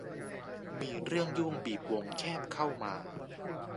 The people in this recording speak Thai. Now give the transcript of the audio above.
มีเรื่องยุ่งบีบวงแคบเข้ามา